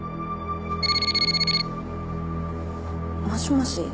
もしもし。